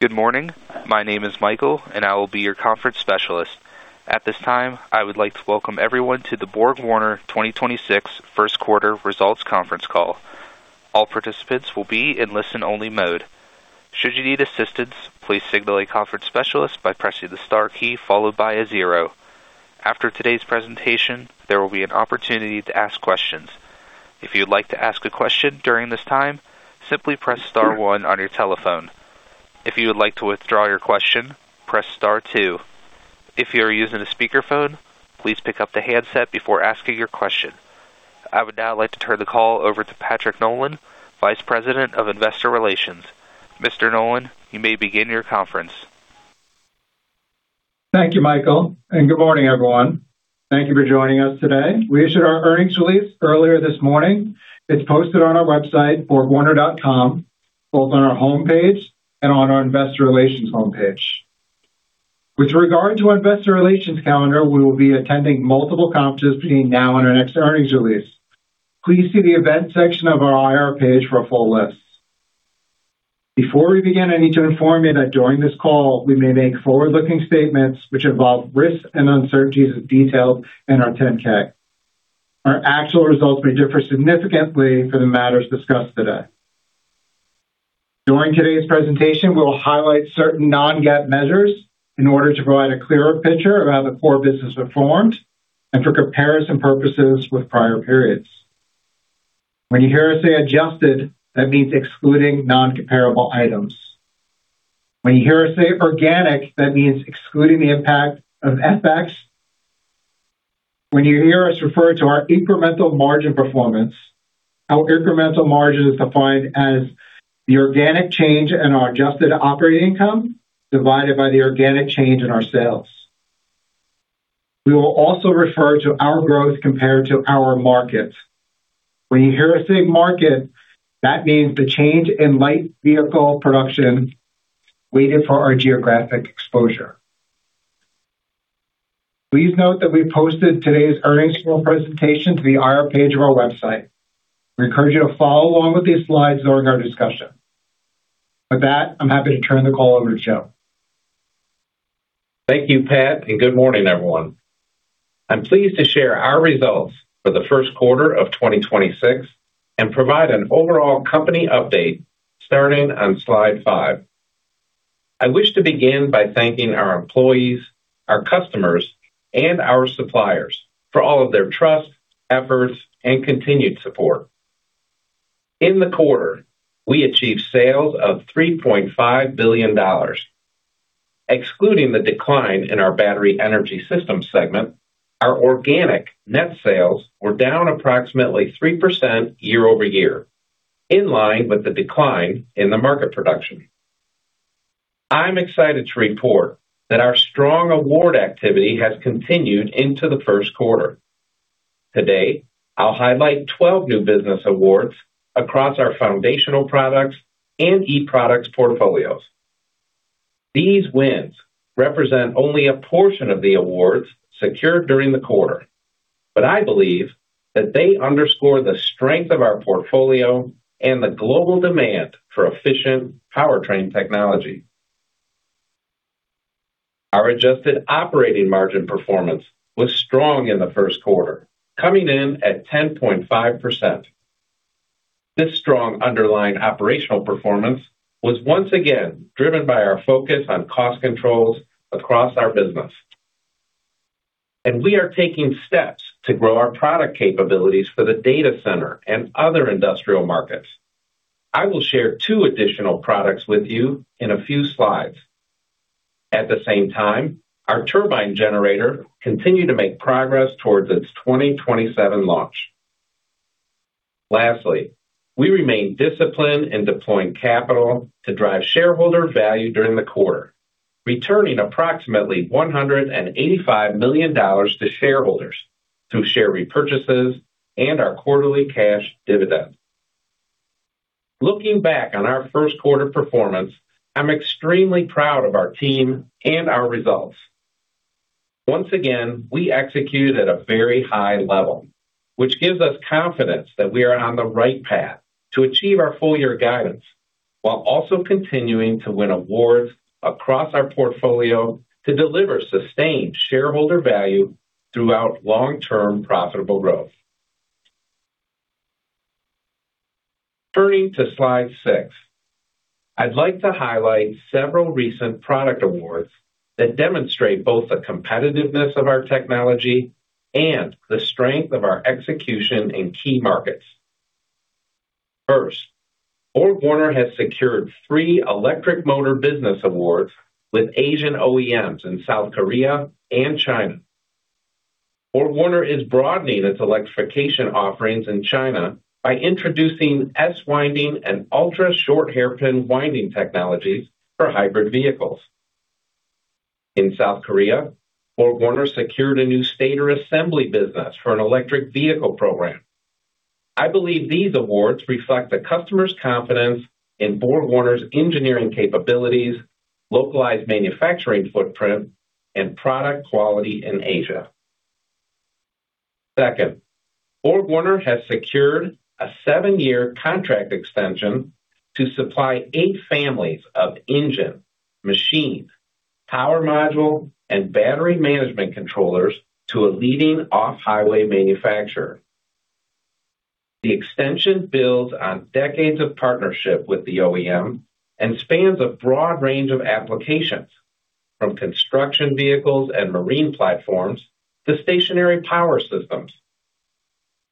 Good morning. My name is Michael. I will be your conference specialist. At this time, I would like to welcome everyone to the BorgWarner 2026 First Quarter Results Conference Call. All participants will be in listen-only mode. Should you need assistance, please signal a conference specialist by pressing the star key followed by a zero. After today's presentation, there will be an opportunity to ask questions. If you'd like to ask a question during this time, simply press star one on your telephone. If you would like to withdraw your question, press star two. If you are using a speakerphone, please pick up the handset before asking your question. I would now like to turn the call over to Patrick Nolan, Vice President of Investor Relations. Mr. Nolan, you may begin your conference. Thank you, Michael. Good morning, everyone. Thank you for joining us today. We issued our earnings release earlier this morning. It's posted on our website, borgwarner.com, both on our homepage and on our investor relations homepage. With regard to our investor relations calendar, we will be attending multiple conferences between now and our next earnings release. Please see the events section of our IR page for a full list. Before we begin, I need to inform you that during this call, we may make forward-looking statements which involve risks and uncertainties as detailed in our 10-K. Our actual results may differ significantly from the matters discussed today. During today's presentation, we will highlight certain non-GAAP measures in order to provide a clearer picture of how the core business performed and for comparison purposes with prior periods. When you hear us say adjusted, that means excluding non-comparable items. When you hear us say organic, that means excluding the impact of FX. When you hear us refer to our incremental margin performance, our incremental margin is defined as the organic change in our adjusted operating income divided by the organic change in our sales. We will also refer to our growth compared to our markets. When you hear us say market, that means the change in light vehicle production weighted for our geographic exposure. Please note that we posted today's earnings call presentation to the IR page of our website. We encourage you to follow along with these slides during our discussion. With that, I'm happy to turn the call over to Joe. Thank you, Pat, and good morning, everyone. I'm pleased to share our results for the first quarter of 2026 and provide an overall company update starting on slide five. I wish to begin by thanking our employees, our customers, and our suppliers for all of their trust, efforts, and continued support. In the quarter, we achieved sales of $3.5 billion. Excluding the decline in our battery energy systems segment, our organic net sales were down approximately 3% year-over-year, in line with the decline in the market production. I'm excited to report that our strong award activity has continued into the first quarter. Today, I'll highlight 12 new business awards across our foundational products and e-products portfolios. These wins represent only a portion of the awards secured during the quarter, but I believe that they underscore the strength of our portfolio and the global demand for efficient powertrain technology. Our adjusted operating margin performance was strong in the first quarter, coming in at 10.5%. This strong underlying operational performance was once again driven by our focus on cost controls across our business. We are taking steps to grow our product capabilities for the data center and other industrial markets. I will share two additional products with you in a few slides. At the same time, our turbine generator continued to make progress towards its 2027 launch. Lastly, we remain disciplined in deploying capital to drive shareholder value during the quarter, returning approximately $185 million to shareholders through share repurchases and our quarterly cash dividend. Looking back on our first quarter performance, I'm extremely proud of our team and our results. Once again, we executed at a very high level, which gives us confidence that we are on the right path to achieve our full year guidance while also continuing to win awards across our portfolio to deliver sustained shareholder value throughout long-term profitable growth. Turning to slide six, I'd like to highlight several recent product awards that demonstrate both the competitiveness of our technology and the strength of our execution in key markets. First, BorgWarner has secured three electric motor business awards with Asian OEMs in South Korea and China. BorgWarner is broadening its electrification offerings in China by introducing S-winding and ultra-short hairpin winding technologies for hybrid vehicles. In South Korea, BorgWarner secured a new stator assembly business for an electric vehicle program. I believe these awards reflect the customer's confidence in BorgWarner's engineering capabilities, localized manufacturing footprint, and product quality in Asia. Second, BorgWarner has secured a seven-year contract extension to supply eight families of engine, machine, power module, and battery management controllers to a leading off-highway manufacturer. The extension builds on decades of partnership with the OEM and spans a broad range of applications, from construction vehicles and marine platforms to stationary power systems.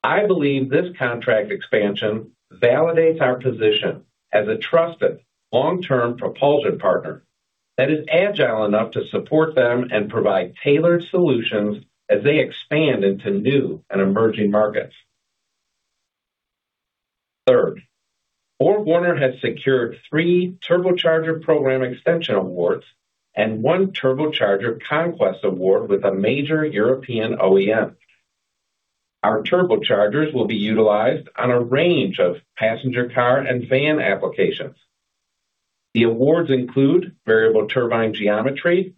I believe this contract expansion validates our position as a trusted long-term propulsion partner that is agile enough to support them and provide tailored solutions as they expand into new and emerging markets. Third, BorgWarner has secured three turbocharger program extension awards and one turbocharger conquest award with a major European OEM. Our turbochargers will be utilized on a range of passenger car and van applications. The awards include variable turbine geometry,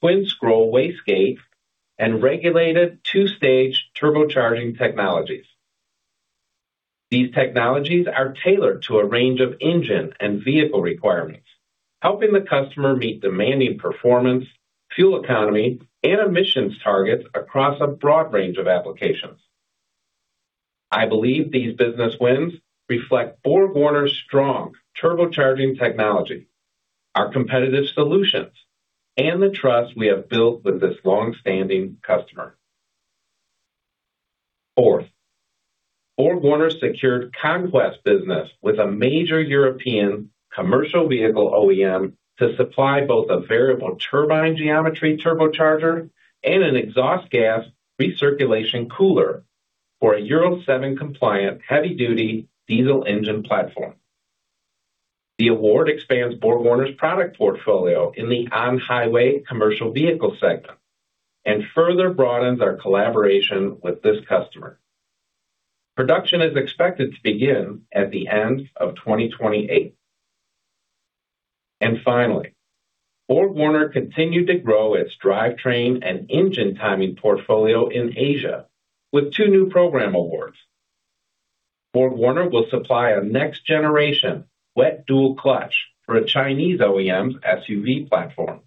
twin-scroll wastegate, and regulated two-stage turbocharging technologies. These technologies are tailored to a range of engine and vehicle requirements, helping the customer meet demanding performance, fuel economy, and emissions targets across a broad range of applications. I believe these business wins reflect BorgWarner's strong turbocharging technology, our competitive solutions, and the trust we have built with this long-standing customer. Fourth, BorgWarner secured conquest business with a major European commercial vehicle OEM to supply both a variable turbine geometry turbocharger and an exhaust gas recirculation cooler for a Euro 7 compliant heavy-duty diesel engine platform. The award expands BorgWarner's product portfolio in the on-highway commercial vehicle segment and further broadens our collaboration with this customer. Production is expected to begin at the end of 2028. Finally, BorgWarner continued to grow its drivetrain and engine timing portfolio in Asia with two new program awards. BorgWarner will supply a next-generation wet dual clutch for a Chinese OEM's SUV platform.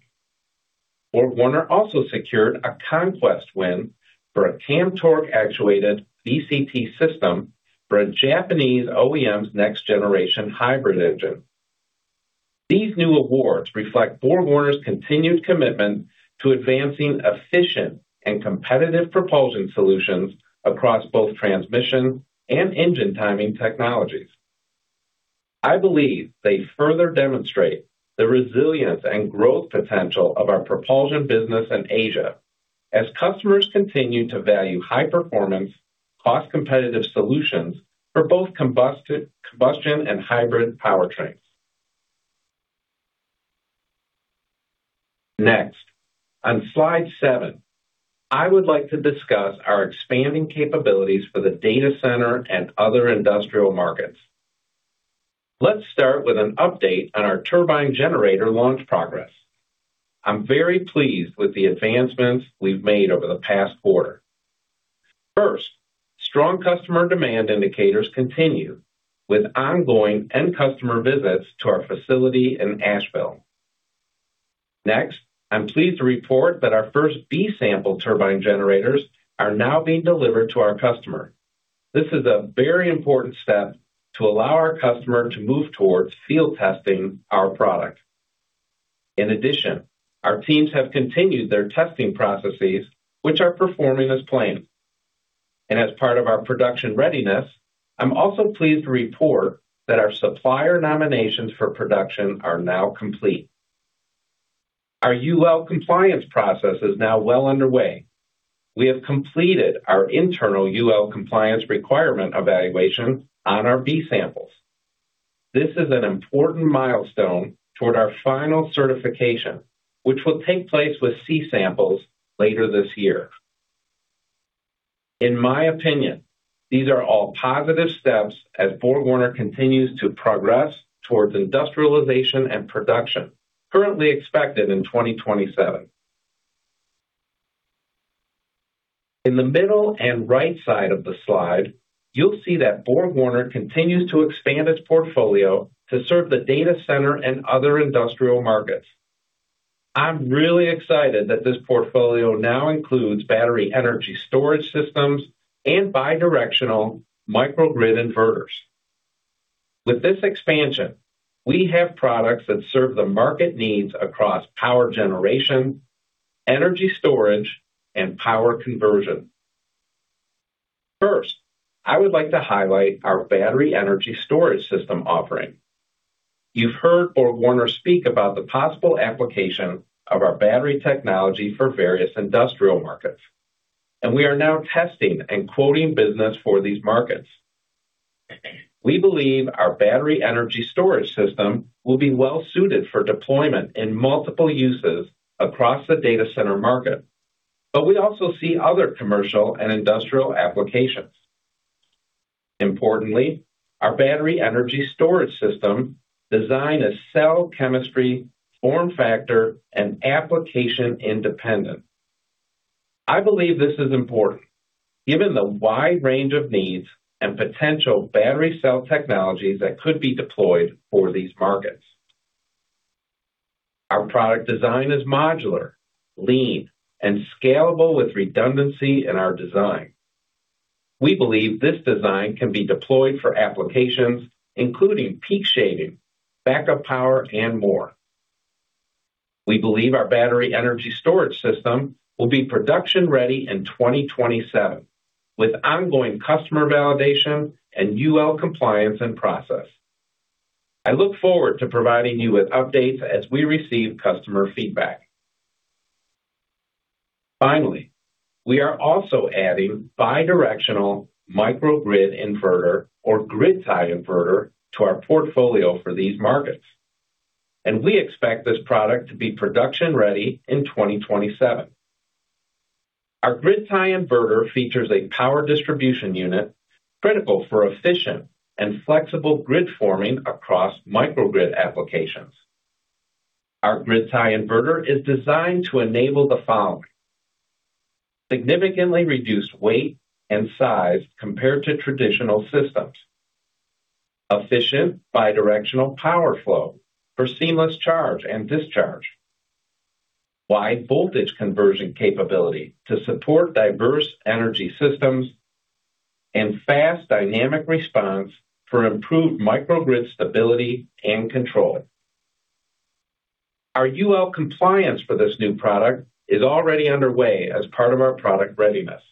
BorgWarner also secured a conquest win for a Cam Torque Actuated VCT system for a Japanese OEM's next-generation hybrid engine. These new awards reflect BorgWarner's continued commitment to advancing efficient and competitive propulsion solutions across both transmission and engine timing technologies. I believe they further demonstrate the resilience and growth potential of our propulsion business in Asia as customers continue to value high-performance, cost-competitive solutions for both combustion and hybrid powertrains. On slide seven, I would like to discuss our expanding capabilities for the data center and other industrial markets. Let's start with an update on our turbine generator launch progress. I'm very pleased with the advancements we've made over the past quarter. Strong customer demand indicators continue with ongoing end customer visits to our facility in Asheville. Next, I'm pleased to report that our first B-sample turbine generators are now being delivered to our customer. This is a very important step to allow our customer to move towards field testing our product. In addition, our teams have continued their testing processes, which are performing as planned. As part of our production readiness, I'm also pleased to report that our supplier nominations for production are now complete. Our UL compliance process is now well underway. We have completed our internal UL compliance requirement evaluation on our B-samples. This is an important milestone toward our final certification, which will take place with C-samples later this year. In my opinion, these are all positive steps as BorgWarner continues to progress towards industrialization and production currently expected in 2027. In the middle and right side of the slide, you'll see that BorgWarner continues to expand its portfolio to serve the data center and other industrial markets. I'm really excited that this portfolio now includes battery energy storage systems and bidirectional microgrid inverters. With this expansion, we have products that serve the market needs across power generation, energy storage, and power conversion. First, I would like to highlight our battery energy storage system offering. You've heard BorgWarner speak about the possible application of our battery technology for various industrial markets, and we are now testing and quoting business for these markets. We believe our battery energy storage system will be well suited for deployment in multiple uses across the data center market, but we also see other commercial and industrial applications. Importantly, our battery energy storage system design is cell chemistry form factor and application independent. I believe this is important given the wide range of needs and potential battery cell technologies that could be deployed for these markets. Our product design is modular, lean, and scalable with redundancy in our design. We believe this design can be deployed for applications, including peak shaving, backup power, and more. We believe our battery energy storage system will be production ready in 2027, with ongoing customer validation and UL compliance in process. I look forward to providing you with updates as we receive customer feedback. Finally, we are also adding bidirectional microgrid inverter or grid tie inverter to our portfolio for these markets, and we expect this product to be production ready in 2027. Our grid tie inverter features a power distribution unit critical for efficient and flexible grid forming across microgrid applications. Our grid tie inverter is designed to enable the following: significantly reduced weight and size compared to traditional systems, efficient bidirectional power flow for seamless charge and discharge, wide voltage conversion capability to support diverse energy systems, and fast dynamic response for improved microgrid stability and control. Our UL compliance for this new product is already underway as part of our product readiness.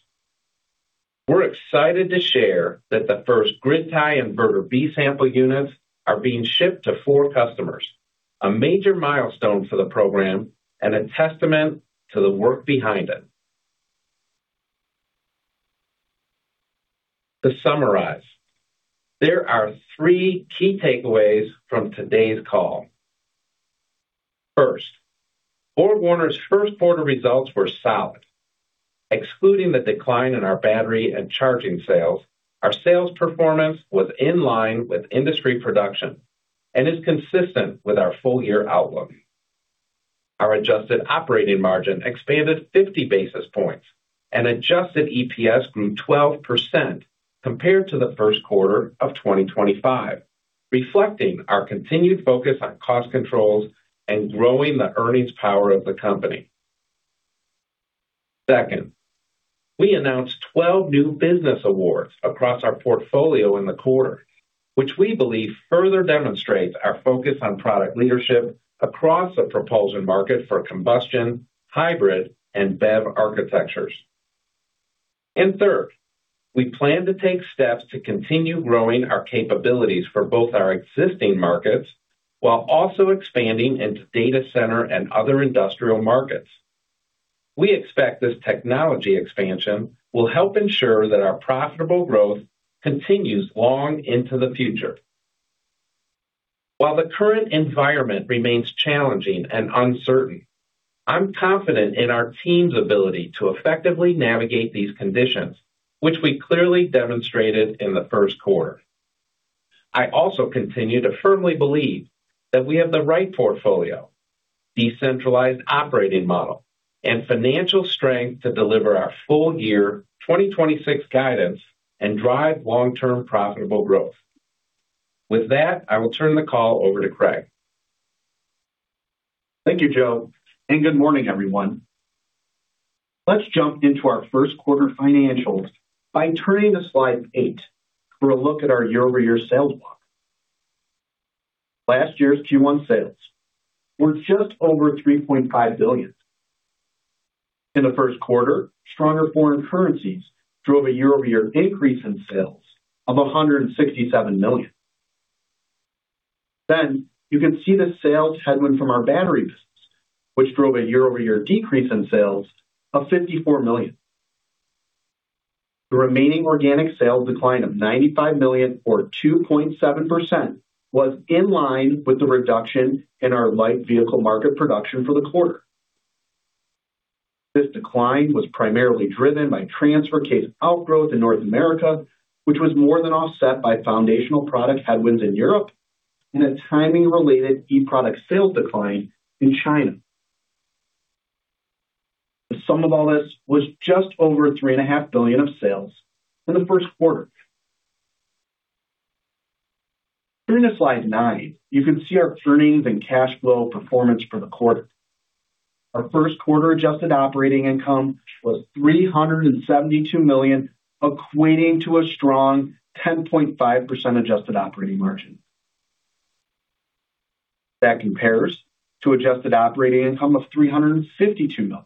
We're excited to share that the first grid tie inverter B-sample units are being shipped to four customers, a major milestone for the program and a testament to the work behind it. To summarize, there are three key takeaways from today's call. First, BorgWarner's first quarter results were solid. Excluding the decline in our battery and charging sales, our sales performance was in line with industry production and is consistent with our full year outlook. Our adjusted operating margin expanded 50 basis points, and adjusted EPS grew 12% compared to the first quarter of 2025, reflecting our continued focus on cost controls and growing the earnings power of the company. Second, we announced 12 new business awards across our portfolio in the quarter, which we believe further demonstrates our focus on product leadership across the propulsion market for combustion, hybrid, and BEV architectures. Third, we plan to take steps to continue growing our capabilities for both our existing markets while also expanding into data center and other industrial markets. We expect this technology expansion will help ensure that our profitable growth continues long into the future. While the current environment remains challenging and uncertain, I'm confident in our team's ability to effectively navigate these conditions, which we clearly demonstrated in the first quarter. I also continue to firmly believe that we have the right portfolio, decentralized operating model, and financial strength to deliver our full year 2026 guidance and drive long-term profitable growth. With that, I will turn the call over to Craig. Thank you, Joe, and good morning, everyone. Let's jump into our first quarter financials by turning to slide eight for a look at our year-over-year sales walk. Last year's Q1 sales were just over $3.5 billion. In the first quarter, stronger foreign currencies drove a year-over-year increase in sales of $167 million. You can see the sales headwind from our battery business, which drove a year-over-year decrease in sales of $54 million. The remaining organic sales decline of $95 million or 2.7% was in line with the reduction in our light vehicle market production for the quarter. This decline was primarily driven by transfer case outgrowth in North America, which was more than offset by foundational product headwinds in Europe and a timing-related e-product sales decline in China. The sum of all this was just over three and a half billion of sales in the first quarter. Turning to slide nine, you can see our earnings and cash flow performance for the quarter. Our first quarter adjusted operating income was $372 million, equating to a strong 10.5% adjusted operating margin. That compares to adjusted operating income of $352 million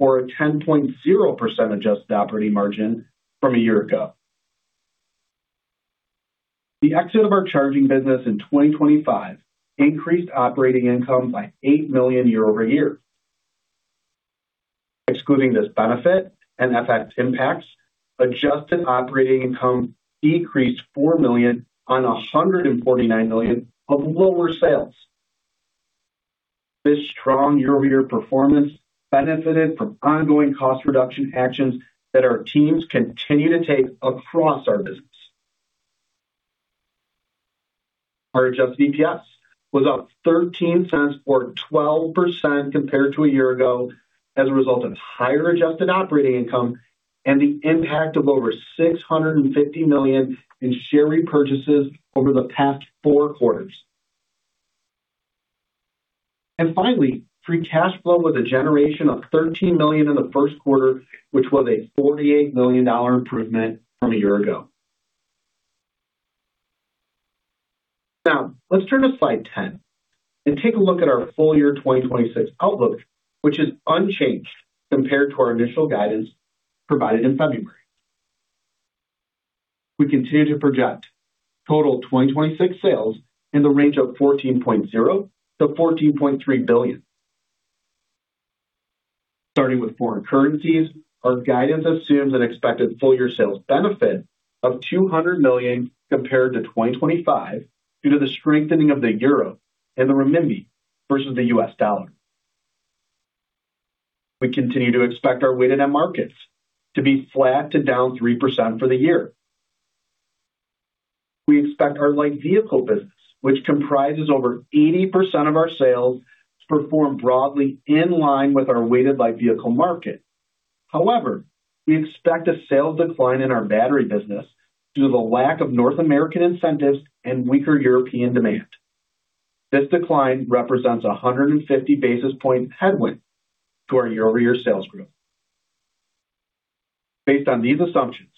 or a 10.0% adjusted operating margin from a year ago. The exit of our charging business in 2025 increased operating income by $8 million year-over-year. Excluding this benefit and FX impacts, adjusted operating income decreased $4 million on $149 million of lower sales. This strong year-over-year performance benefited from ongoing cost reduction actions that our teams continue to take across our business. Our adjusted EPS was up $0.13, or 12% compared to a year ago as a result of higher adjusted operating income and the impact of over $650 million in share repurchases over the past four quarters. Finally, free cash flow with a generation of $13 million in the first quarter, which was a $48 million improvement from a year ago. Now, let's turn to slide 10 and take a look at our full year 2026 outlook, which is unchanged compared to our initial guidance provided in February. We continue to project total 2026 sales in the range of $14.0 billion-$14.3 billion. Starting with foreign currencies, our guidance assumes an expected full year sales benefit of $200 million compared to 2025 due to the strengthening of the euro and the renminbi versus the U.S. dollar. We continue to expect our weighted net markets to be flat to down 3% for the year. We expect our light vehicle business, which comprises over 80% of our sales, to perform broadly in line with our weighted light vehicle market. However, we expect a sales decline in our battery business due to the lack of North American incentives and weaker European demand. This decline represents a 150 basis point headwind to our year-over-year sales growth. Based on these assumptions,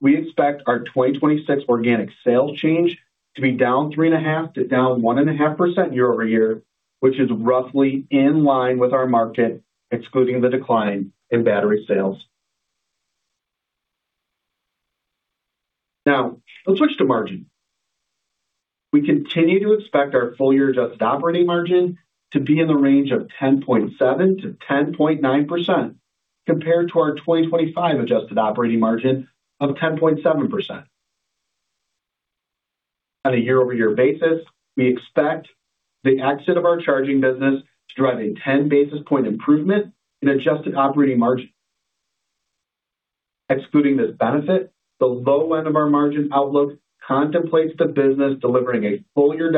we expect our 2026 organic sales change to be down 3.5% to down 1.5% year-over-year, which is roughly in line with our market, excluding the decline in battery sales. Now, let's switch to margin. We continue to expect our full year adjusted operating margin to be in the range of 10.7% to 10.9% compared to our 2025 adjusted operating margin of 10.7%. On a year-over-year basis, we expect the exit of our charging business to drive a 10 basis point improvement in adjusted operating margin. Excluding this benefit, the low end of our margin outlook contemplates the business delivering a full year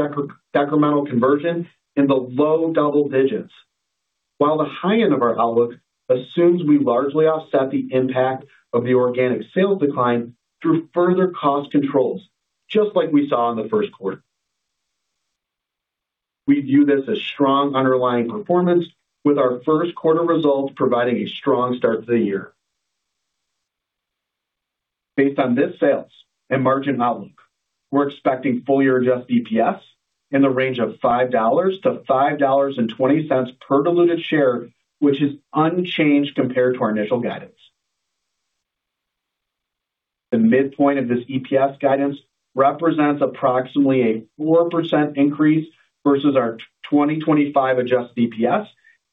decremental conversion in the low double digits. While the high end of our outlook assumes we largely offset the impact of the organic sales decline through further cost controls, just like we saw in the first quarter. We view this as strong underlying performance, with our first quarter results providing a strong start to the year. Based on this sales and margin outlook, we're expecting full year adjusted EPS in the range of $5.00-$5.20 per diluted share, which is unchanged compared to our initial guidance. The midpoint of this EPS guidance represents approximately a 4% increase versus our 2025 adjusted EPS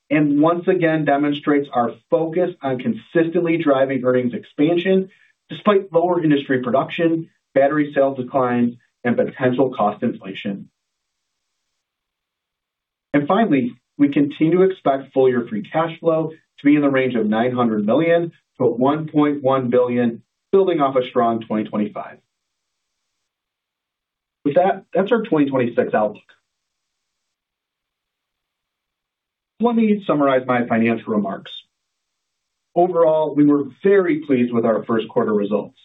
and once again demonstrates our focus on consistently driving earnings expansion despite lower industry production, battery sales declines, and potential cost inflation. Finally, we continue to expect full year free cash flow to be in the range of $900 million-$1.1 billion, building off a strong 2025. With that's our 2026 outlook. Let me summarize my financial remarks. Overall, we were very pleased with our first quarter results.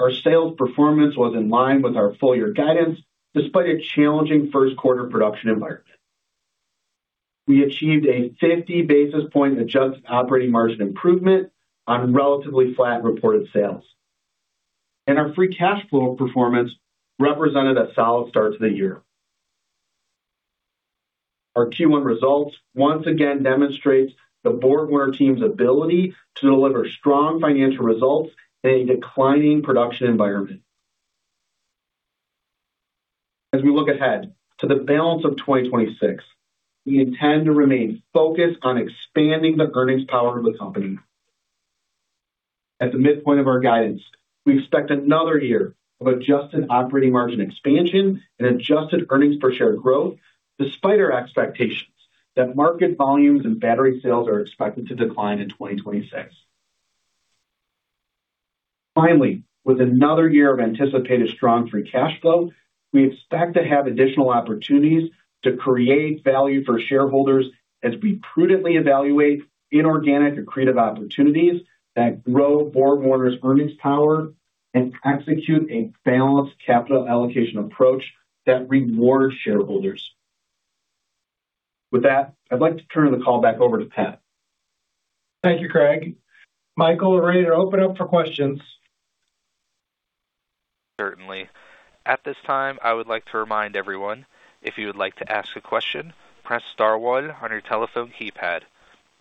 Our sales performance was in line with our full year guidance, despite a challenging first quarter production environment. We achieved a 50 basis point adjusted operating margin improvement on relatively flat reported sales. Our free cash flow performance represented a solid start to the year. Our Q1 results once again demonstrates the BorgWarner team's ability to deliver strong financial results in a declining production environment. As we look ahead to the balance of 2026, we intend to remain focused on expanding the earnings power of the company. At the midpoint of our guidance, we expect another year of adjusted operating margin expansion and adjusted earnings per share growth despite our expectations that market volumes and battery sales are expected to decline in 2026. Finally, with another year of anticipated strong free cash flow, we expect to have additional opportunities to create value for shareholders as we prudently evaluate inorganic accretive opportunities that grow BorgWarner's earnings power and execute a balanced capital allocation approach that rewards shareholders. With that, I'd like to turn the call back over to Pat. Thank you, Craig. Michael, we're ready to open up for questions. Certainly. At this time, I would like to remind everyone, if you would like to ask a question, press star one on your telephone keypad.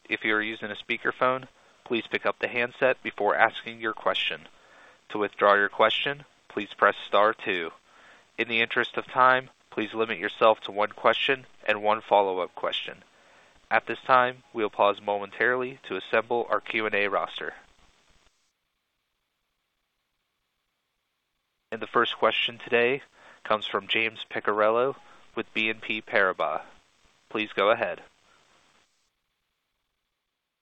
If you are using a speakerphone, please pick up the handset before asking your question. To withdraw your question, please press star two. In the interest of time, please limit yourself to one question and one follow-up question. At this time, we'll pause momentarily to assemble our Q&A roster. The first question today comes from James Picariello with BNP Paribas. Please go ahead.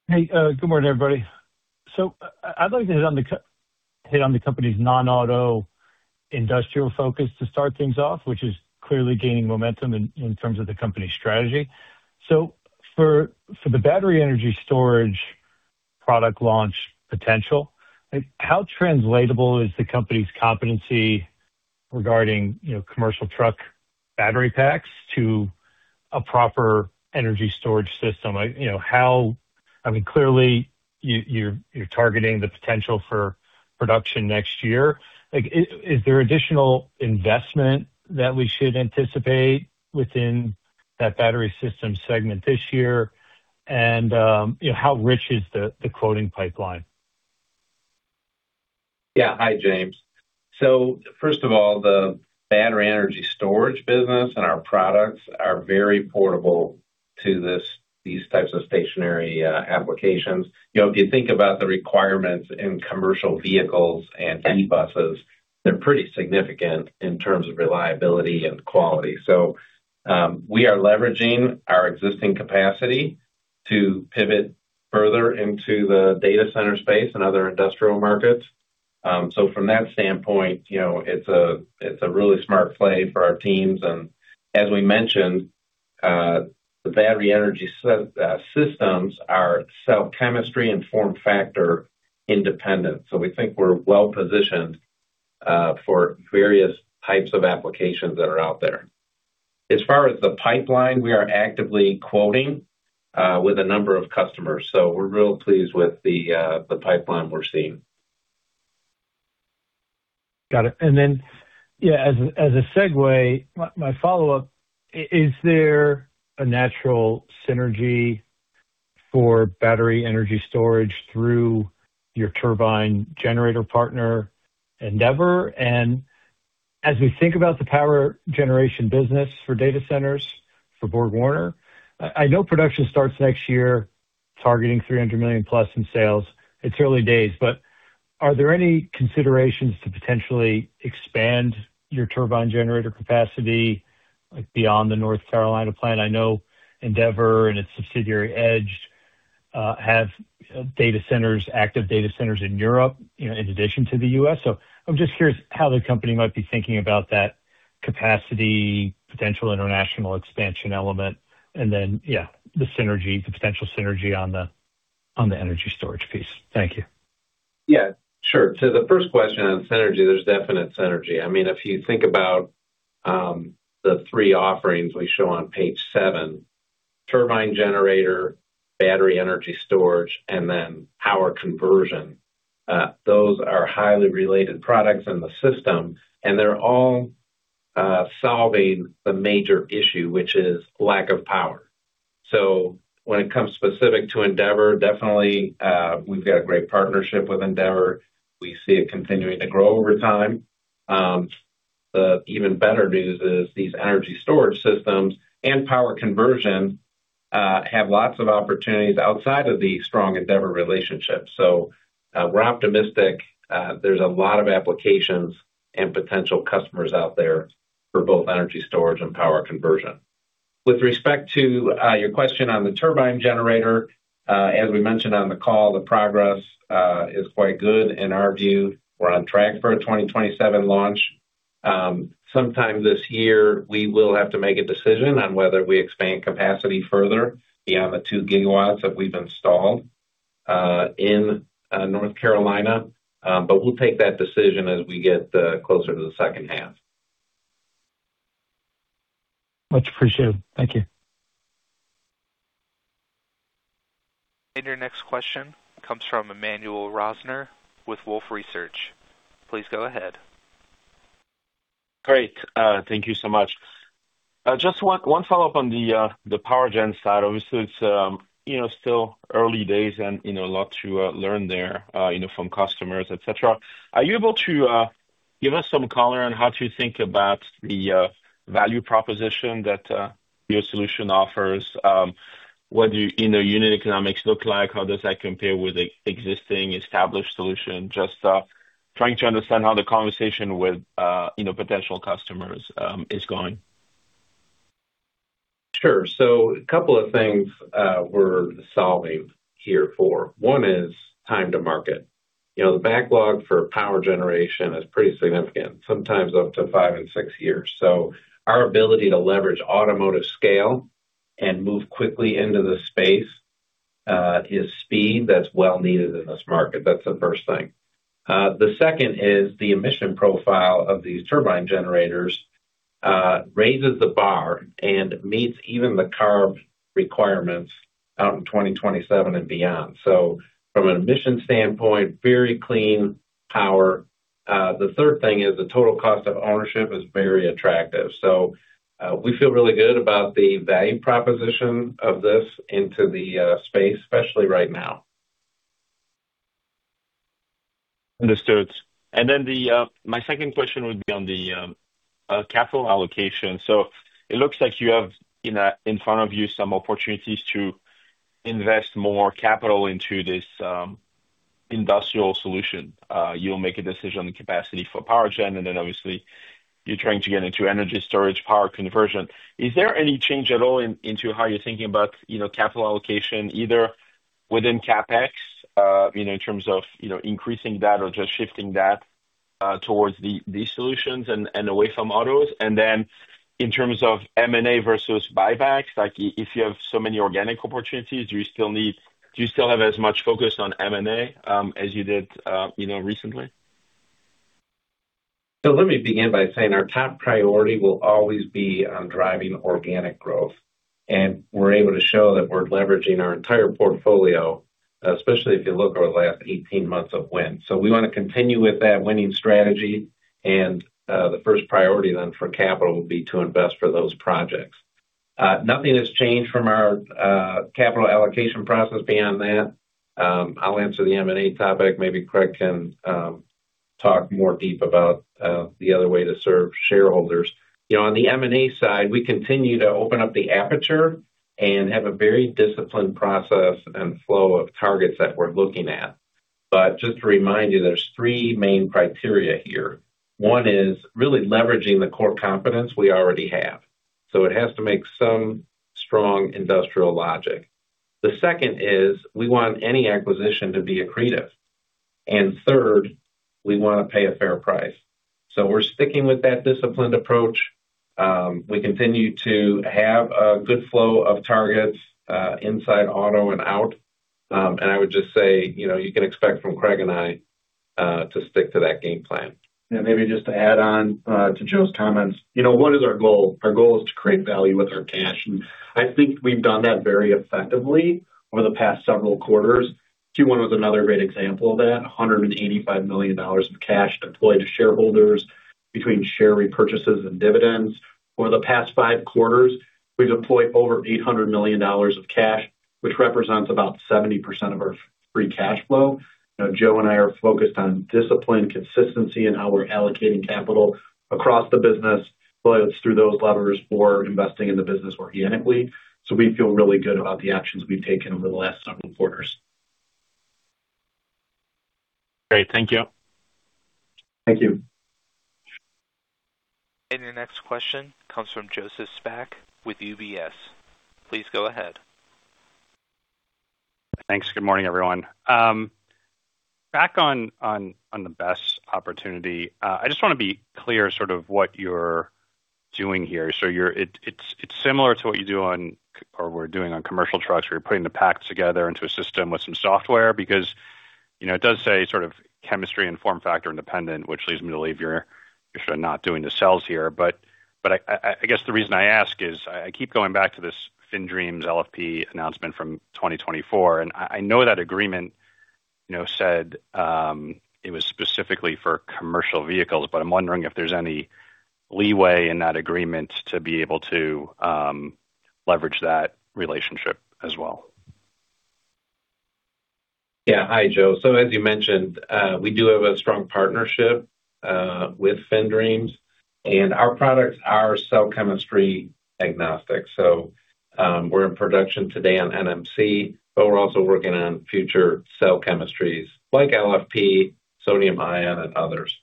Hey, good morning, everybody. I'd like to hit on the hit on the company's non-auto industrial focus to start things off, which is clearly gaining momentum in terms of the company's strategy. For the Battery Energy Storage product launch potential, like how translatable is the company's competency regarding, you know, commercial truck battery packs to a proper energy storage system? Like, you know, how I mean, clearly you're targeting the potential for production next year. Like, is there additional investment that we should anticipate within that battery system segment this year? You know, how rich is the quoting pipeline? Hi, James. First of all, the Battery Energy Storage business and our products are very portable to these types of stationary applications. You know, if you think about the requirements in commercial vehicles and e-buses, they're pretty significant in terms of reliability and quality. We are leveraging our existing capacity to pivot further into the data center space and other industrial markets. From that standpoint, you know, it's a really smart play for our teams. As we mentioned, the battery energy systems are cell chemistry and form factor independent. We think we're well-positioned for various types of applications that are out there. As far as the pipeline, we are actively quoting with a number of customers, we're real pleased with the pipeline we're seeing. Got it. My follow-up, is there a natural synergy for battery energy storage through your turbine generator partner, Endeavour? As we think about the power generation business for data centers for BorgWarner, I know production starts next year, targeting $300 million+ in sales. It's early days, but are there any considerations to potentially expand your turbine generator capacity, like beyond the North Carolina plant? I know Endeavour and its subsidiary, Edged, have data centers, active data centers in Europe, you know, in addition to the U.S. I'm just curious how the company might be thinking about that capacity, potential international expansion element, and then the synergy, the potential synergy on the energy storage piece. Thank you. Yeah, sure. The first question on synergy, there's definite synergy. I mean, if you think about the three offerings we show on page seven, turbine generator, battery energy storage, and then power conversion, those are highly related products in the system, and they're all solving the major issue, which is lack of power. When it comes specific to Endeavour, definitely, we've got a great partnership with Endeavour. We see it continuing to grow over time. The even better news is these energy storage systems and power conversion have lots of opportunities outside of the strong Endeavour relationship. We're optimistic. There's a lot of applications and potential customers out there for both energy storage and power conversion. With respect to your question on the turbine generator, as we mentioned on the call, the progress is quite good in our view. We're on track for a 2027 launch. Sometime this year, we will have to make a decision on whether we expand capacity further beyond the 2 GW that we've installed in North Carolina. We'll take that decision as we get closer to the second half. Much appreciated. Thank you. Your next question comes from Emmanuel Rosner with Wolfe Research. Please go ahead. Great. Thank you so much. Just one follow-up on the power gen side. Obviously it's, you know, still early days and, you know, a lot to learn there, you know, from customers, et cetera. Are you able to give us some color on how to think about the value proposition that your solution offers? What do your unit economics look like? How does that compare with the existing established solution? Just trying to understand how the conversation with, you know, potential customers is going. Sure. A couple of things we're solving here for. One is time to market. You know, the backlog for power generation is pretty significant, sometimes up to five and six years. Our ability to leverage automotive scale and move quickly into the space is speed that's well needed in this market. That's the first thing. The second is the emission profile of these turbine generators raises the bar and meets even the CARB requirements out in 2027 and beyond. From an emission standpoint, very clean power. The third thing is the total cost of ownership is very attractive. We feel really good about the value proposition of this into the space, especially right now. Understood. My second question would be on the capital allocation. It looks like you have in front of you some opportunities to invest more capital into this industrial solution. You'll make a decision on the capacity for power gen, obviously you're trying to get into energy storage, power conversion. Is there any change at all in, into how you're thinking about, you know, capital allocation, either within CapEx, you know, in terms of, you know, increasing that or just shifting that towards these solutions and away from autos? In terms of M&A versus buybacks, like if you have so many organic opportunities, do you still have as much focus on M&A as you did, you know, recently? Let me begin by saying our top priority will always be on driving organic growth. We're able to show that we're leveraging our entire portfolio, especially if you look at our last 18 months of wins. We wanna continue with that winning strategy. The first priority for capital will be to invest for those projects. Nothing has changed from our capital allocation process beyond that. I'll answer the M&A topic, maybe Craig can talk more deep about the other way to serve shareholders. You know, on the M&A side, we continue to open up the aperture and have a very disciplined process and flow of targets that we're looking at. Just to remind you, there's three main criteria here. One is really leveraging the core competence we already have. It has to make some strong industrial logic. The second is we want any acquisition to be accretive. Third, we want to pay a fair price. We're sticking with that disciplined approach. We continue to have a good flow of targets inside auto and out. I would just say, you know, you can expect from Craig and I to stick to that game plan. Yeah, maybe just to add on to Joe's comments. You know, what is our goal? Our goal is to create value with our cash. I think we've done that very effectively over the past several quarters. Q1 was another great example of that. $185 million of cash deployed to shareholders between share repurchases and dividends. Over the past five quarters, we deployed over $800 million of cash, which represents about 70% of our free cash flow. You know, Joe and I are focused on disciplined consistency in how we're allocating capital across the business, whether it's through those levers or investing in the business organically. We feel really good about the actions we've taken over the last several quarters. Great. Thank you. Thank you. Your next question comes from Joseph Spak with UBS. Please go ahead. Thanks. Good morning, everyone. Back on the BESS opportunity. I just wanna be clear sort of what you're doing here. It's similar to what you do on or were doing on commercial trucks, where you're putting the packs together into a system with some software. You know, it does say sort of chemistry and form factor independent, which leads me to believe you're sort of not doing the cells here. I guess the reason I ask is I keep going back to this FinDreams LFP announcement from 2024, and I know that agreement, you know, said it was specifically for commercial vehicles, but I'm wondering if there's any leeway in that agreement to be able to leverage that relationship as well. Yeah. Hi, Joe. As you mentioned, we do have a strong partnership with FinDreams, and our products are cell chemistry agnostic. We're in production today on NMC, but we're also working on future cell chemistries like LFP, sodium-ion, and others.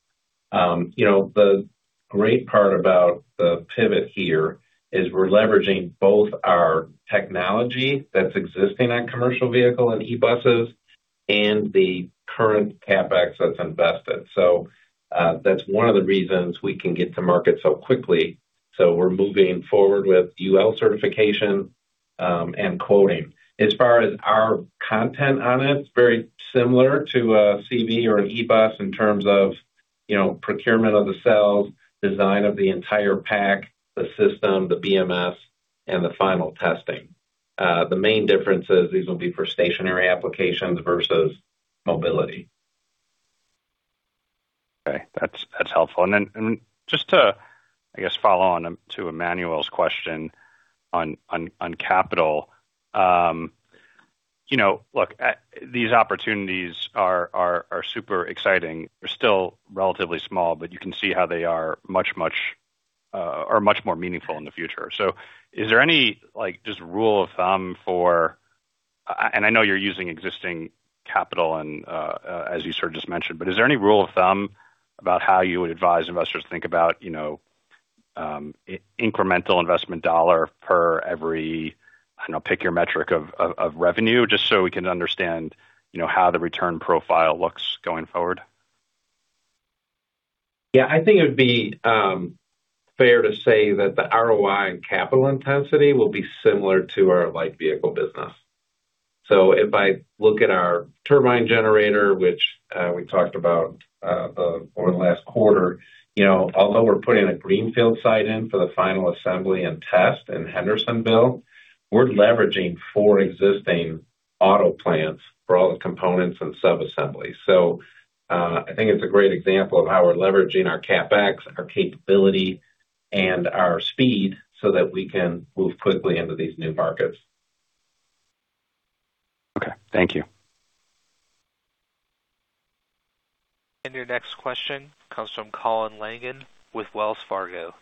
You know, the great part about the pivot here is we're leveraging both our technology that's existing on commercial vehicle and e-buses and the current CapEx that's invested. That's one of the reasons we can get to market so quickly. We're moving forward with UL certification and quoting. As far as our content on it, very similar to a CV or an e-bus in terms of, you know, procurement of the cells, design of the entire pack, the system, the BMS, and the final testing. The main difference is these will be for stationary applications versus mobility. Okay. That's helpful. Just to, I guess, follow on to Emmanuel's question on capital. You know, look, these opportunities are super exciting. They're still relatively small, but you can see how they are much more meaningful in the future. Is there any, like, just rule of thumb for and I know you're using existing capital and as you sort of just mentioned, but is there any rule of thumb about how you would advise investors to think about, you know, incremental investment dollar per every, I don't know, pick your metric of revenue, just so we can understand, you know, how the return profile looks going forward? Yeah. I think it would be fair to say that the ROI and capital intensity will be similar to our light vehicle business. If I look at our turbine generator, which we talked about over the last quarter, you know, although we're putting a greenfield site in for the final assembly and test in Hendersonville, we're leveraging four existing auto plants for all the components and sub-assemblies. I think it's a great example of how we're leveraging our CapEx, our capability, and our speed so that we can move quickly into these new markets. Okay. Thank you. Your next question comes from Colin Langan with Wells Fargo.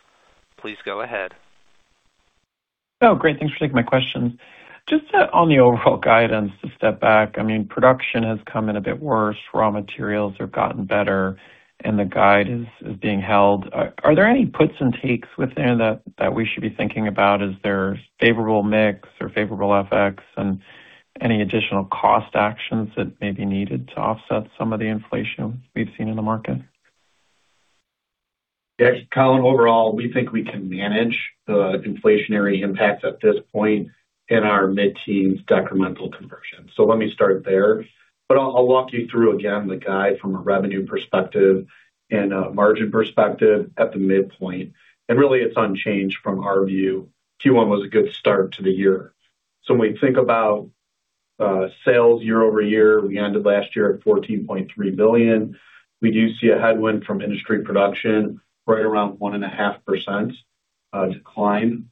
Please go ahead. Oh, great. Thanks for taking my questions. Just on the overall guidance to step back, I mean, production has come in a bit worse, raw materials have gotten better, and the guide is being held. Are there any puts and takes within that we should be thinking about? Is there favorable mix or favorable FX and any additional cost actions that may be needed to offset some of the inflation we've seen in the market? Yes, Colin, overall, we think we can manage the inflationary impact at this point in our mid-teens decremental conversion. Let me start there, but I'll walk you through again the guide from a revenue perspective and a margin perspective at the midpoint. Really it's unchanged from our view. Q1 was a good start to the year. When we think about sales year over year, we ended last year at $14.3 billion. We do see a headwind from industry production right around 1.5% decline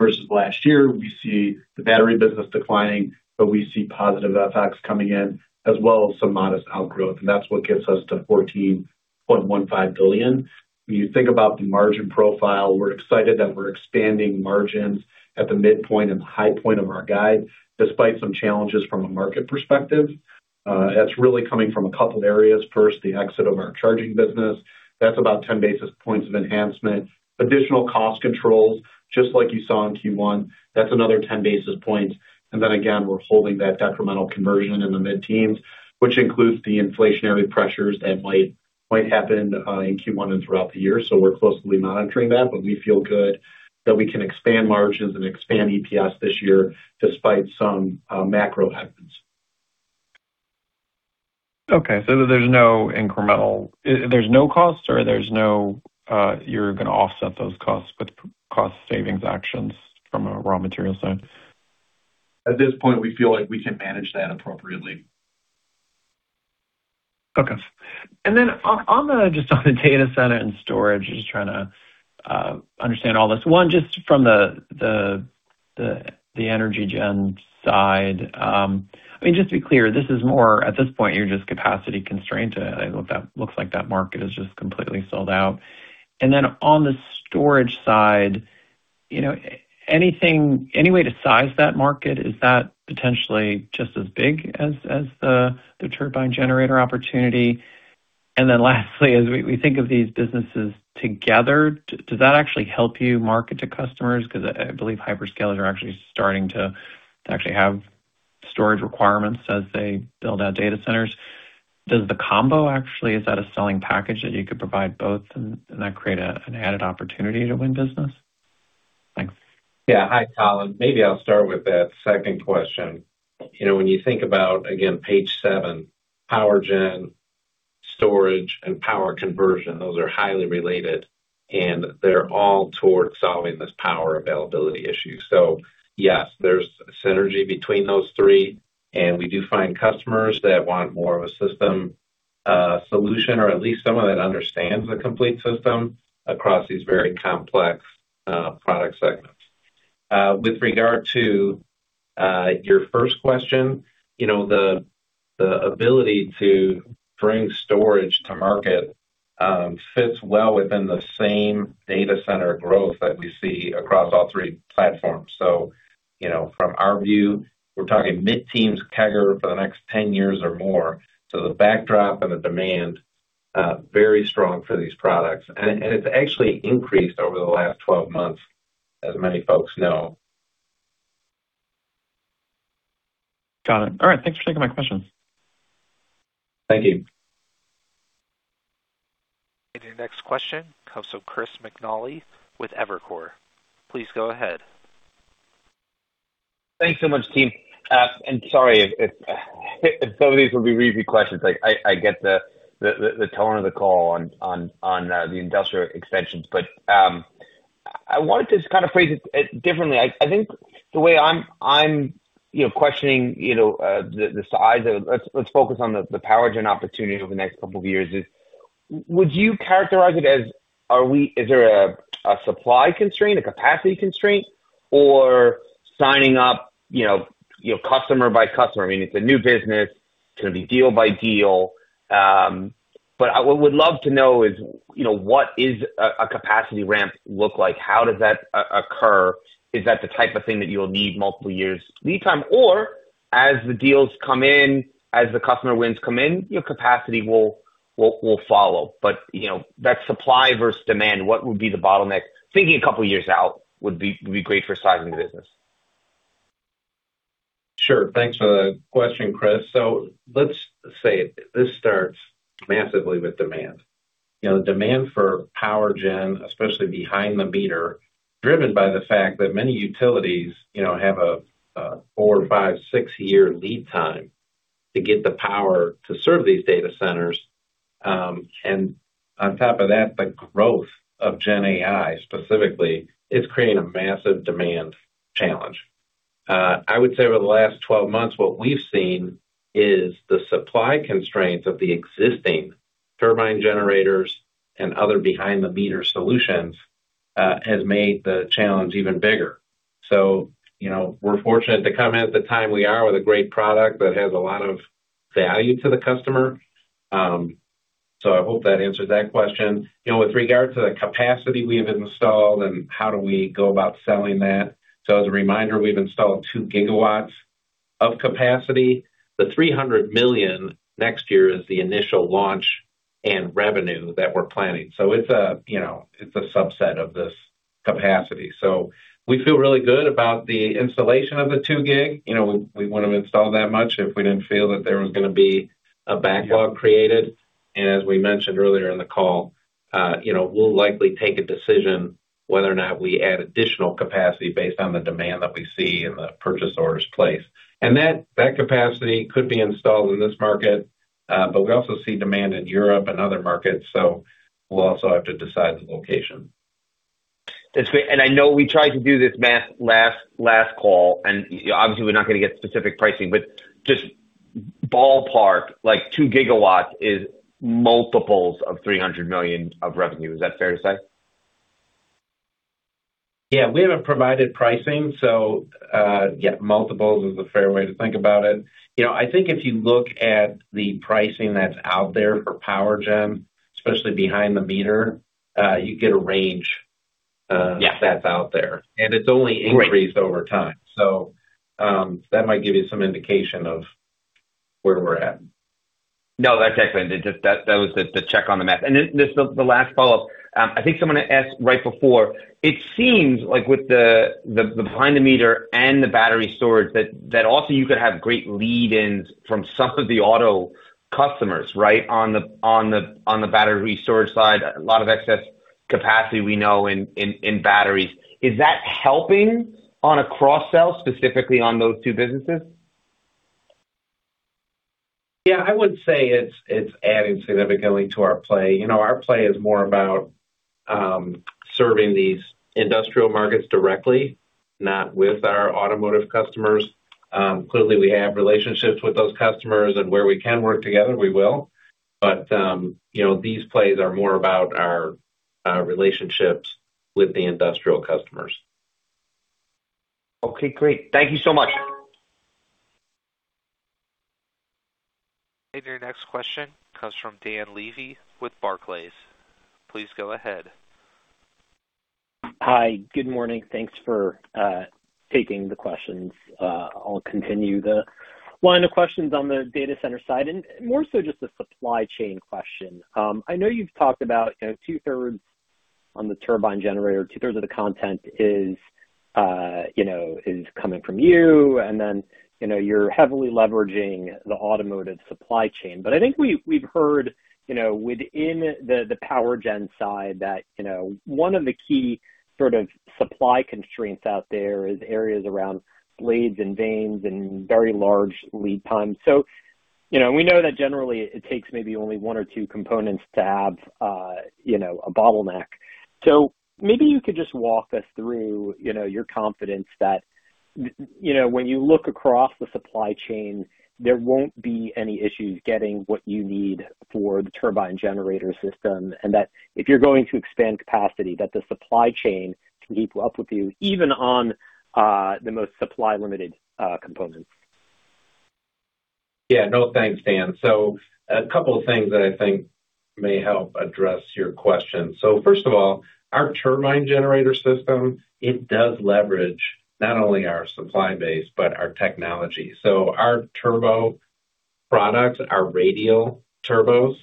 versus last year. We see the battery business declining, but we see positive FX coming in as well as some modest outgrowth, and that's what gets us to $14.15 billion. When you think about the margin profile, we're excited that we're expanding margins at the midpoint and the high point of our guide, despite some challenges from a market perspective. That's really coming from a couple areas. First, the exit of our charging business. That's about 10 basis points of enhancement. Additional cost controls, just like you saw in Q1, that's another 10 basis points. Again, we're holding that decremental conversion in the mid-teens, which includes the inflationary pressures that might happen in Q1 and throughout the year. We're closely monitoring that, but we feel good that we can expand margins and expand EPS this year despite some macro headwinds. Okay. There's no cost or there's no, you're gonna offset those costs with cost savings actions from a raw material side? At this point, we feel like we can manage that appropriately. Okay. On the, just on the data center and storage, just trying to understand all this. One, just from the energy gen side, I mean, just to be clear, this is more at this point, you're just capacity constrained. It looks like that market is just completely sold out. On the storage side, you know, any way to size that market? Is that potentially just as big as the turbine generator opportunity? Lastly, as we think of these businesses together, does that actually help you market to customers? 'Cause I believe hyperscalers are actually starting to actually have storage requirements as they build out data centers. Does the combo actually, is that a selling package that you could provide both and that create an added opportunity to win business? Thanks. Hi, Colin. Maybe I'll start with that second question. You know, when you think about, again, page seven, power gen, storage, and power conversion, those are highly related, and they're all towards solving this power availability issue. Yes, there's synergy between those 3, and we do find customers that want more of a system solution or at least someone that understands the complete system across these very complex product segments. With regard to your first question, you know, the ability to bring storage to market fits well within the same data center growth that we see across all three platforms. From our view, we're talking mid-teens CAGR for the next 10 years or more. The backdrop and the demand very strong for these products. It's actually increased over the last 12 months, as many folks know. Got it. All right. Thanks for taking my questions. Thank you. Your next question comes from Chris McNally with Evercore. Please go ahead. Thanks so much, team. Sorry if some of these will be repeat questions. Like, I get the tone of the call on the industrial extensions, I wanted to kind of phrase it differently. I think the way I'm, you know, questioning, you know, the size of Let's focus on the power gen opportunity over the next two years is, would you characterize it as is there a supply constraint, a capacity constraint, or signing up, you know, customer by customer? I mean, it's a new business. It's going to be deal by deal. What we'd love to know is, you know, what is a capacity ramp look like? How does that occur? Is that the type of thing that you'll need multiple years lead time, or as the deals come in, as the customer wins come in, your capacity will follow? You know, that supply versus demand, what would be the bottleneck? Thinking a couple of years out would be great for sizing the business. Sure. Thanks for the question, Chris. Let's say this starts massively with demand. You know, demand for power gen, especially behind the meter, driven by the fact that many utilities, you know, have a four-,five-, six-year lead time to get the power to serve these data centers. On top of that, the growth of GenAI specifically is creating a massive demand challenge. I would say over the last 12 months, what we've seen is the supply constraints of the existing turbine generators and other behind-the-meter solutions has made the challenge even bigger. You know, we're fortunate to come in at the time we are with a great product that has a lot of value to the customer. I hope that answers that question. You know, with regard to the capacity we have installed and how do we go about selling that. As a reminder, we've installed 2 GW of capacity. The $300 million next year is the initial launch and revenue that we're planning. It's a, you know, it's a subset of this capacity. We feel really good about the installation of the 2 GW. You know, we wouldn't have installed that much if we didn't feel that there was going to be a backlog created. As we mentioned earlier in the call, you know, we'll likely take a decision whether or not we add additional capacity based on the demand that we see and the purchase orders placed. That capacity could be installed in this market, but we also see demand in Europe and other markets, so we'll also have to decide the location. It's great. I know we tried to do this math last call, obviously, we're not gonna get specific pricing, but just ballpark like 2 GW is multiples of $300 million of revenue. Is that fair to say? Yeah. We haven't provided pricing, so, yeah, multiples is a fair way to think about it. You know, I think if you look at the pricing that's out there for power gen, especially behind the meter, you get a range. Yeah that's out there. Great increased over time. That might give you some indication of where we're at. No, that's excellent. That was the check on the math. The last follow-up. I think someone had asked right before, it seems like with the behind the meter and the battery storage that also you could have great lead-ins from some of the auto customers, right, on the battery storage side. A lot of excess capacity we know in batteries. Is that helping on a cross-sell specifically on those two businesses? Yeah. I would say it's adding significantly to our play. You know, our play is more about serving these industrial markets directly, not with our automotive customers. Clearly we have relationships with those customers, and where we can work together, we will. You know, these plays are more about our relationships with the industrial customers. Okay. Great. Thank you so much. Your next question comes from Dan Levy with Barclays. Please go ahead. Hi. Good morning. Thanks for taking the questions. I'll continue the line of questions on the data center side and more so just a supply chain question. I know you've talked about, you know, two-thirds on the turbine generator, two-thirds of the content is, you know, is coming from you. Then, you know, you're heavily leveraging the automotive supply chain. I think we've heard, you know, within the power gen side that, you know, one of the key sort of supply constraints out there is areas around blades and vanes and very large lead times. You know, we know that generally it takes maybe only one or two components to have, you know, a bottleneck. Maybe you could just walk us through, you know, your confidence that, you know, when you look across the supply chain, there won't be any issues getting what you need for the turbine generator system. That if you're going to expand capacity, that the supply chain can keep up with you even on the most supply limited components. Yeah. No, thanks, Dan. A couple of things that I think may help address your question. First of all, our turbine generator system, it does leverage not only our supply base but our technology. Our turbo products are radial turbos.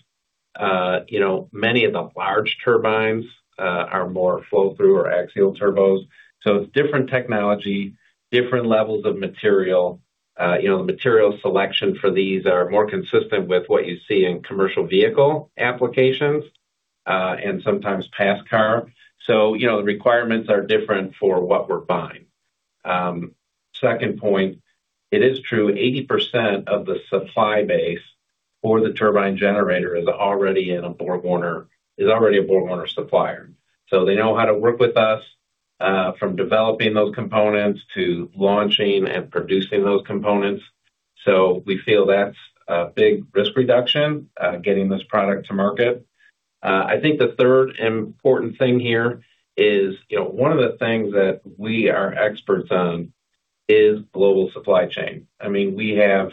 You know, many of the large turbines are more flow-through or axial turbos. It's different technology, different levels of material. You know, the material selection for these are more consistent with what you see in commercial vehicle applications and sometimes pass car. You know, the requirements are different for what we're buying. Second point, it is true 80% of the supply base for the turbine generator is already a BorgWarner supplier. They know how to work with us from developing those components to launching and producing those components. We feel that's a big risk reduction, getting this product to market. I think the third important thing here is, you know, one of the things that we are experts on is global supply chain. I mean, we have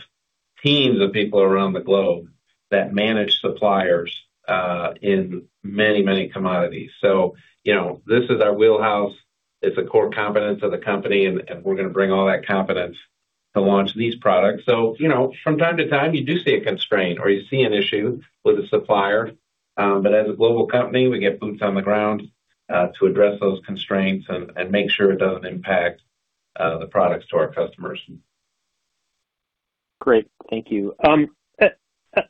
teams of people around the globe that manage suppliers, in many commodities. You know, this is our wheelhouse. It's a core competence of the company, and we're gonna bring all that competence to launch these products. You know, from time to time, you do see a constraint or you see an issue with a supplier. As a global company, we get boots on the ground to address those constraints and make sure it doesn't impact the products to our customers. Great. Thank you. As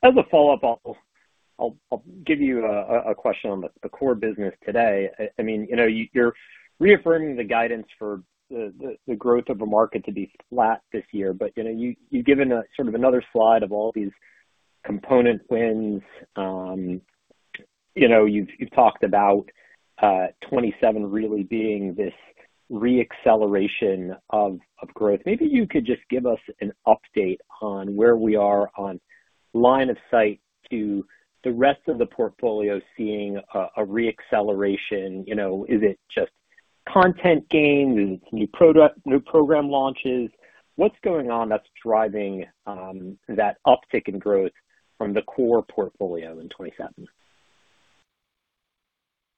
a follow-up, I'll give you a question on the core business today. I mean, you know, you're reaffirming the guidance for the growth of the market to be flat this year. You know, you've given a sort of another slide of all these component wins. You know, you've talked about 2027 really being this re-acceleration of growth. Maybe you could just give us an update on where we are on line of sight to the rest of the portfolio seeing a re-acceleration. You know, is it content gain, new program launches? What's going on that's driving that uptick in growth from the core portfolio in 2027?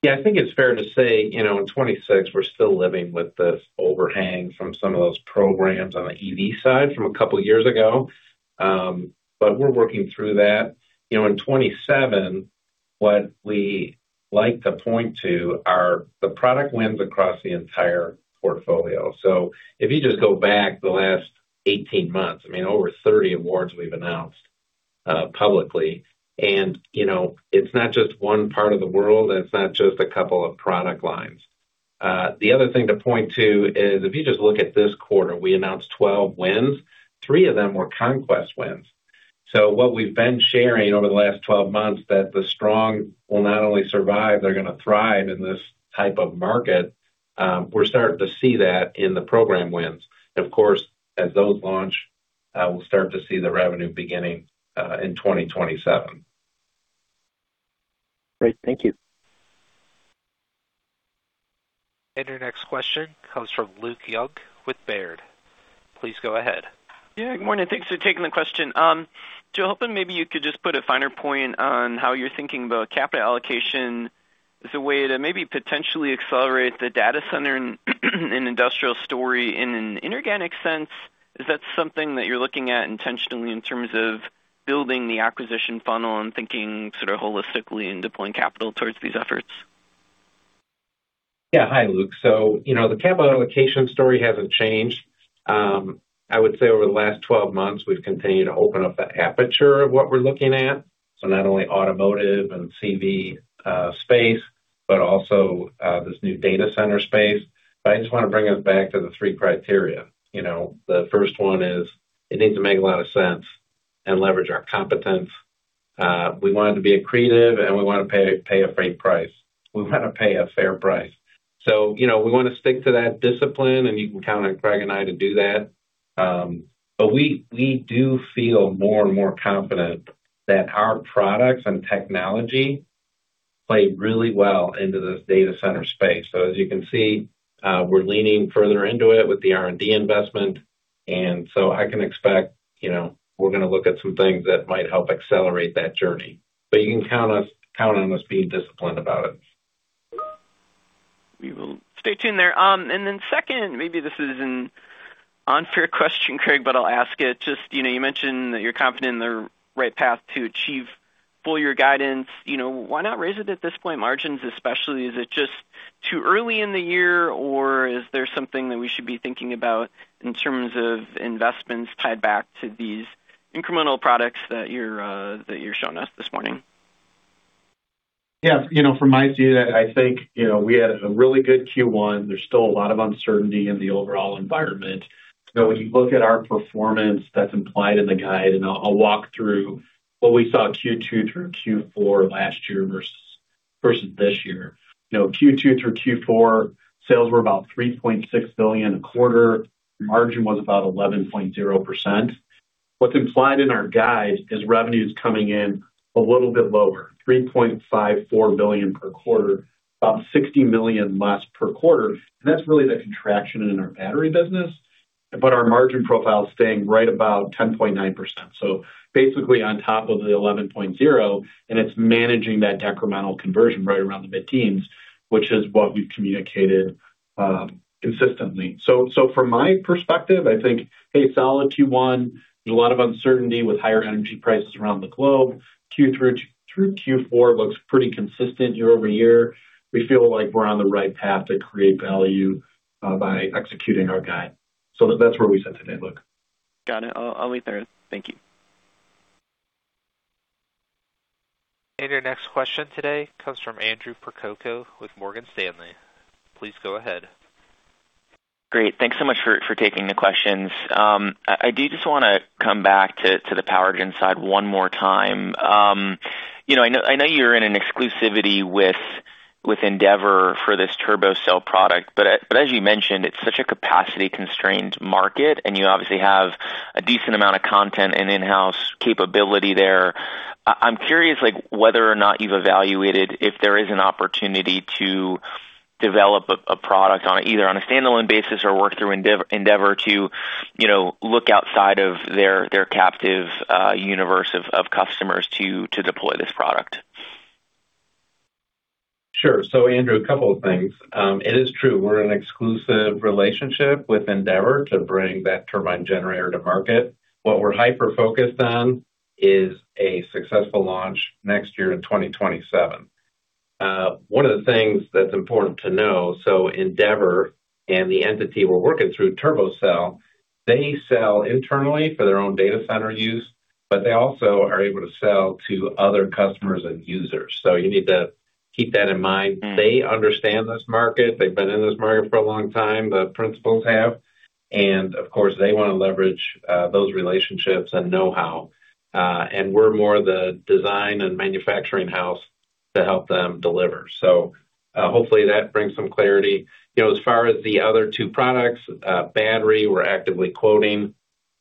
Yeah, I think it's fair to say, you know, in 2026 we're still living with this overhang from some of those programs on the EV side from a couple years ago. We're working through that. You know, in 2027, what we like to point to are the product wins across the entire portfolio. If you just go back the last 18 months, I mean, over 30 awards we've announced publicly. You know, it's not just one part of the world, and it's not just a couple of product lines. The other thing to point to is if you just look at this quarter, we announced 12 wins. Three of them were conquest wins. What we've been sharing over the last 12 months, that the strong will not only survive, they're gonna thrive in this type of market, we're starting to see that in the program wins. Of course, as those launch, we'll start to see the revenue beginning in 2027. Great. Thank you. Your next question comes from Luke [Junk] with Baird. Please go ahead. Good morning. Thanks for taking the question. Joe, hoping maybe you could just put a finer point on how you're thinking about capital allocation as a way to maybe potentially accelerate the data center and industrial story in an inorganic sense. Is that something that you're looking at intentionally in terms of building the acquisition funnel and thinking sort of holistically in deploying capital towards these efforts? Yeah, hi, Luke. You know, the capital allocation story hasn't changed. I would say over the last 12 months, we've continued to open up the aperture of what we're looking at. Not only automotive and CV space, but also this new data center space. I just wanna bring us back to the three criteria, you know. The first one is it needs to make a lot of sense and leverage our competence. We want it to be accretive, and we wanna pay a fair price. You know, we wanna stick to that discipline, and you can count on Craig and I to do that. We do feel more and more confident that our products and technology play really well into this data center space. As you can see, we're leaning further into it with the R&D investment, and so I can expect, you know, we're gonna look at some things that might help accelerate that journey. You can count on us being disciplined about it. We will stay tuned there. Second, maybe this is an unfair question, Craig, but I'll ask it. Just, you know, you mentioned that you're confident in the right path to achieve full year guidance. You know, why not raise it at this point, margins especially? Is it just too early in the year, or is there something that we should be thinking about in terms of investments tied back to these incremental products that you're showing us this morning? Yeah. You know, from my seat, I think, you know, we had a really good Q1. There's still a lot of uncertainty in the overall environment. When you look at our performance, that's implied in the guide, and I'll walk through what we saw Q2 through Q4 last year versus this year. You know, Q2 through Q4, sales were about $3.6 billion a quarter. Margin was about 11.0%. What's implied in our guide is revenues coming in a little bit lower, $3.54 billion per quarter, about $60 million less per quarter. That's really the contraction in our battery business. Our margin profile is staying right about 10.9%. Basically on top of the 11.0%, and it's managing that decremental conversion right around the mid-teens, which is what we've communicated consistently. From my perspective, I think, hey, solid Q1. There's a lot of uncertainty with higher energy prices around the globe. Q3 through Q4 looks pretty consistent year-over-year. We feel like we're on the right path to create value by executing our guide. That's where we sit today, Luke. Got it. I'll leave it there. Thank you. Your next question today comes from Andrew Percoco with Morgan Stanley. Please go ahead. Great. Thanks so much for taking the questions. I do just wanna come back to the power gen side one more time. You know, I know you're in an exclusivity with Endeavour for this TurboCell product, but as you mentioned, it's such a capacity-constrained market, and you obviously have a decent amount of content and in-house capability there. I'm curious, like, whether or not you've evaluated if there is an opportunity to develop a product on either a standalone basis or work through Endeavour to, you know, look outside of their captive universe of customers to deploy this product. Sure. Andrew, a couple of things. It is true we're in an exclusive relationship with Endeavour to bring that turbine generator to market. What we're hyper-focused on is a successful launch next year in 2027. One of the things that's important to know, Endeavour and the entity we're working through, TurboCell, they sell internally for their own data center use, but they also are able to sell to other customers and users. You need to keep that in mind. They understand this market. They've been in this market for a long time, the principals have. Of course, they wanna leverage those relationships and know-how. We're more the design and manufacturing house to help them deliver. Hopefully that brings some clarity. You know, as far as the other two products, battery, we're actively quoting.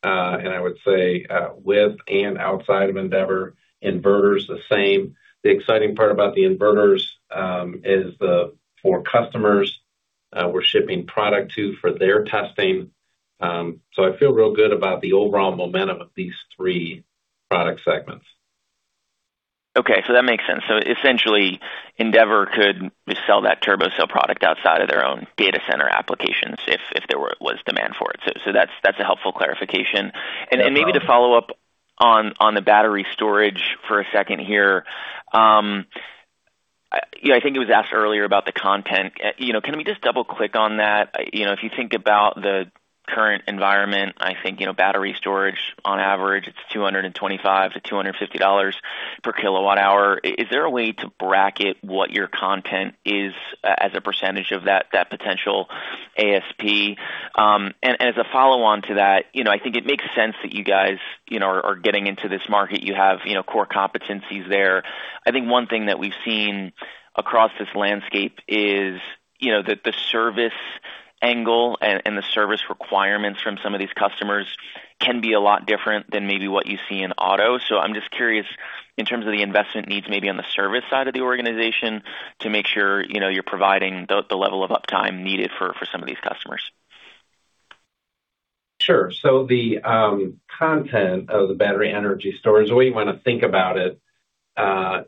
I would say, with and outside of Endeavour, inverters the same. The exciting part about the inverters is for customers, we're shipping product to for their testing. I feel real good about the overall momentum of these three product segments. Okay. That makes sense. Essentially, Endeavour could sell that TurboCell product outside of their own data center applications if there was demand for it. That's a helpful clarification. Yeah. Maybe to follow up on the battery storage for a second here. I think it was asked earlier about the content. Can we just double-click on that? If you think about the current environment, battery storage on average it's $225 to $250 per kWh. Is there a way to bracket what your content is as a percentage of that potential ASP? As a follow-on to that, I think it makes sense that you guys are getting into this market. You have core competencies there. I think one thing that we've seen across this landscape is, you know, that the service angle and the service requirements from some of these customers can be a lot different than maybe what you see in auto. I'm just curious in terms of the investment needs maybe on the service side of the organization to make sure, you know, you're providing the level of uptime needed for some of these customers? Sure. The content of the battery energy storage, the way you wanna think about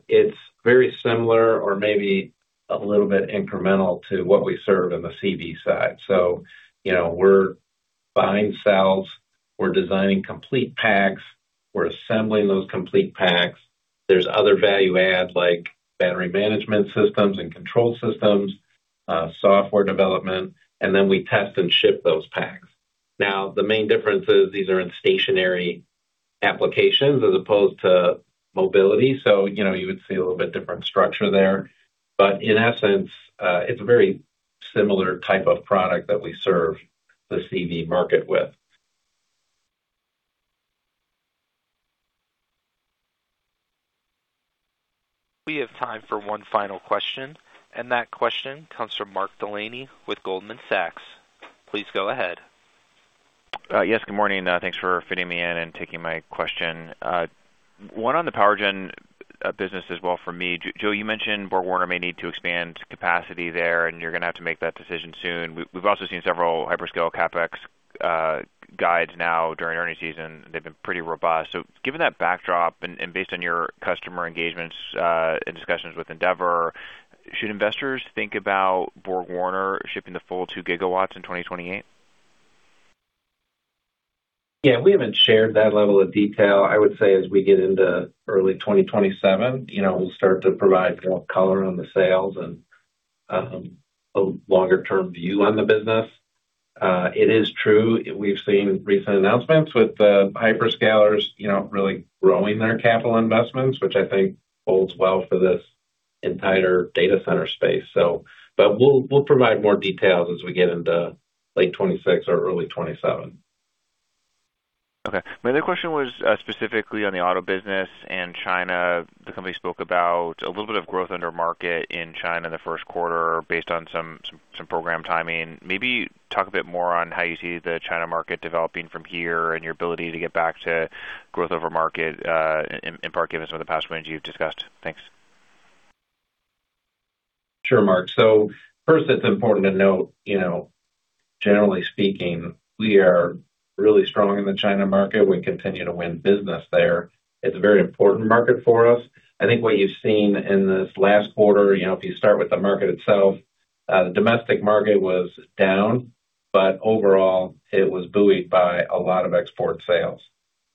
it's very similar or maybe a little bit incremental to what we serve in the CV side. You know, we're buying cells, we're designing complete packs, we're assembling those complete packs. There's other value adds like battery management systems and control systems, software development, and then we test and ship those packs. Now the main difference is these are in stationary applications as opposed to mobility. You know, you would see a little bit different structure there. But in essence, it's a very similar type of product that we serve the CV market with. We have time for one final question, and that question comes from Mark Delaney with Goldman Sachs. Please go ahead. Yes, good morning. Thanks for fitting me in and taking my question. One on the PowerGen business as well for me. Joe, you mentioned BorgWarner may need to expand capacity there, and you're gonna have to make that decision soon. We've also seen several hyperscale CapEx guides now during earnings season. They've been pretty robust. Given that backdrop and, based on your customer engagements and discussions with Endeavour, should investors think about BorgWarner shipping the full 2 GW in 2028? Yeah, we haven't shared that level of detail. I would say as we get into early 2027, you know, we'll start to provide more color on the sales and a longer-term view on the business. It is true, we've seen recent announcements with the hyperscalers, you know, really growing their capital investments, which I think bodes well for this entire data center space. We'll provide more details as we get into late 2026 or early 2027. Okay. My other question was specifically on the auto business and China. The company spoke about a little bit of growth under market in China in the first quarter based on some program timing. Maybe talk a bit more on how you see the China market developing from here and your ability to get back to growth over market in part given some of the past wins you've discussed. Thanks. Sure, Mark. First it's important to note, you know, generally speaking, we are really strong in the China market. We continue to win business there. It's a very important market for us. I think what you've seen in this last quarter, you know, if you start with the market itself, the domestic market was down, but overall it was buoyed by a lot of export sales,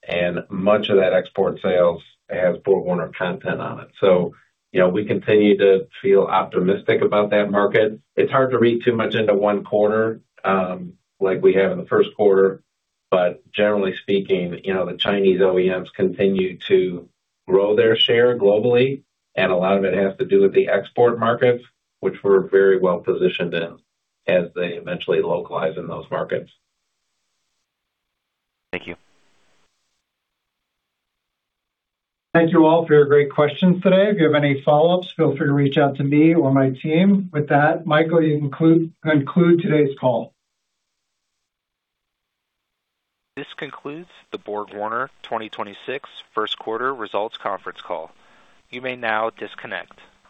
and much of that export sales has BorgWarner content on it. You know, we continue to feel optimistic about that market. It's hard to read too much into one quarter, like we have in the first quarter. Generally speaking, you know, the Chinese OEMs continue to grow their share globally, and a lot of it has to do with the export markets, which we're very well positioned in as they eventually localize in those markets. Thank you. Thank you all for your great questions today. If you have any follow-ups, feel free to reach out to me or my team. With that, Michael, you can conclude today's call. This concludes the BorgWarner 2026 first quarter results conference call. You may now disconnect.